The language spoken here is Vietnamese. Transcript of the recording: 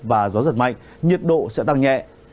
và gió giật mạnh nhiệt độ sẽ tăng nhẹ